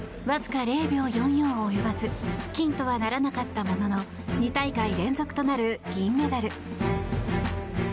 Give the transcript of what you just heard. わずか０秒４４及ばず金とはならなかったものの２大会連続となる銀メダル。